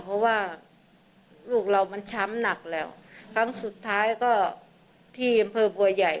เพราะว่าลูกเรามันช้ำหนักแล้วครั้งสุดท้ายก็ที่อำเภอบัวใหญ่